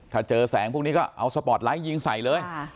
ถ้าเจอแสงพวกนี้ก็เอาสปอร์ตไลท์ยิงใส่เลย